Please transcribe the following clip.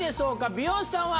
美容師さんは！